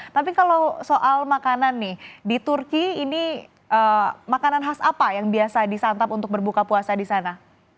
tapi kalau soal makanan nih di turki ini makanan khas apa yang biasa disantap untuk berbuka puasa di sana